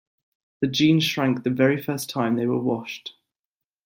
The jeans shrank the very first time they were washed.